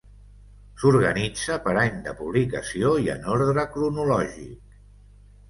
S'organitza per any de publicació i en ordre cronològic.